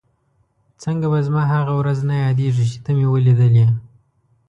څنګه به زما هغه ورځ نه یادېږي چې ته مې ولیدلې؟